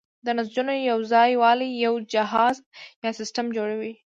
د نسجونو یوځای والی یو جهاز یا سیستم جوړوي.